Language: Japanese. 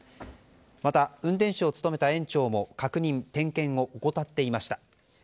また、運転手を務めた園長も確認・点検を怠っていました。